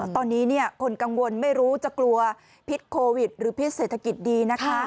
ตอนนี้คนกังวลไม่รู้จะกลัวพิษโควิดหรือพิษเศรษฐกิจดีนะคะ